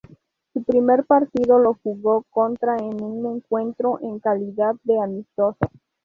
Su primer partido lo jugó contra en un encuentro en calidad de amistoso.